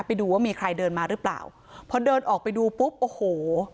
ไปดูว่ามีใครเดินมาหรือเปล่าพอเดินออกไปดูปุ๊บโอ้โห